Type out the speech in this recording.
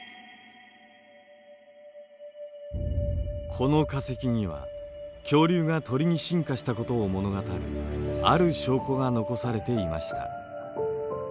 この化石には恐竜が鳥に進化したことを物語るある証拠が残されていました。